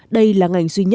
đây là ngành duy nhất